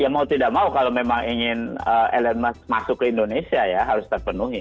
ya mau tidak mau kalau memang ingin elon musk masuk ke indonesia ya harus terpenuhi